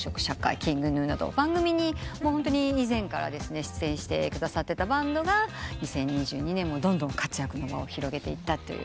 ＫｉｎｇＧｎｕなど番組に以前から出演してくださってたバンドが２０２２年もどんどん活躍の場を広げていったと。